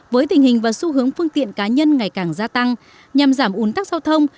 với tình hình và xu hướng phương tiện cá nhân ngày càng gia tăng nhằm giảm uốn tắc giao thông